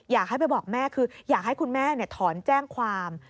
อยากให้ไปบอกแม่คืออยากให้คุณแม่ถอนแจ้งความ